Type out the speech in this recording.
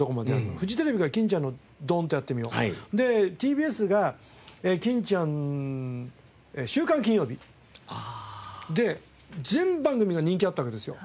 フジテレビが『欽ちゃんのドンとやってみよう！』でＴＢＳが『欽ちゃんの週刊欽曜日』。で全番組が人気あったわけですよ。